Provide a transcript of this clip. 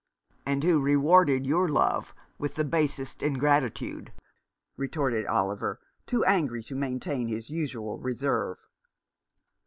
"And who rewarded your love with the basest 353 2 A Rough Justice. ingratitude," retorted Oliver, too angry to maintain his usual reserve.